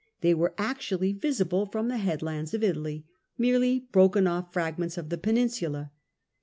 They were actually visible from the headlands of Italy — mere broken off fragments of the peninsula.